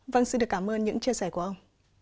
vâng xin được cảm ơn những chia sẻ của ông